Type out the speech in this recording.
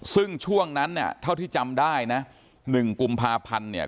ซึ่งช่วงนั้นเนี่ยเท่าที่จำได้นะ๑กุมภาพันธ์เนี่ย